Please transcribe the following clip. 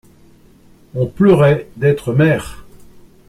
On pleurait d'être mère.